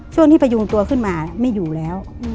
ช่วงที่พยุงตัวขึ้นมาไม่อยู่แล้ว